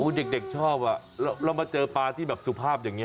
เด็กชอบเรามาเจอปลาที่แบบสุภาพอย่างนี้